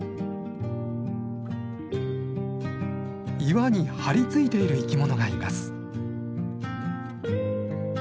岩に張りついている生きものがいます。